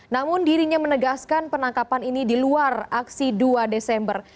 namun dirinya menegaskan penangkapan ini di luar aksi dua desember